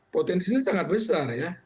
potensinya sangat besar ya